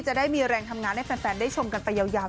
จะได้มีแรงทำงานให้แฟนได้ชมกันไปยาว